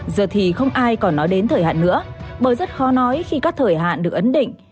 giờ thì không ai còn nói đến thời hạn nữa bởi rất khó nói khi các thời hạn được ấn định